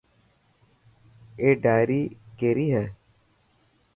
اي ڊائري ڪيري هي.